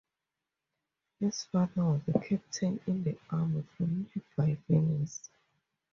His father was a Captain in the army from nearby Venice.